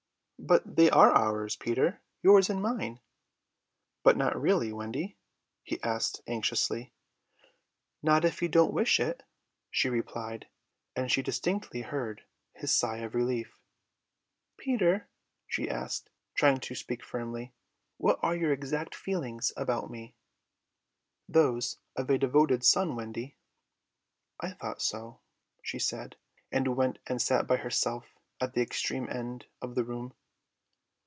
"But they are ours, Peter, yours and mine." "But not really, Wendy?" he asked anxiously. "Not if you don't wish it," she replied; and she distinctly heard his sigh of relief. "Peter," she asked, trying to speak firmly, "what are your exact feelings to me?" "Those of a devoted son, Wendy." "I thought so," she said, and went and sat by herself at the extreme end of the room.